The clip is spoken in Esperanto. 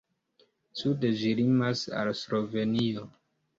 Sude ĝi limas al Slovenio.